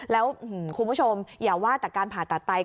แล้วคุณผู้ชมอย่าว่าแต่การผ่าตัดไต